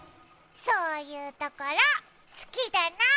そういうところ、好きだな。